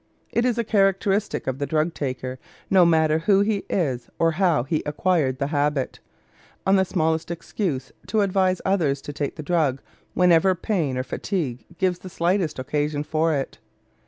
It is a characteristic of the drug taker, no matter who he is or how he acquired the habit, on the smallest excuse to advise others to take the drug whenever pain or fatigue gives the slightest occasion for it.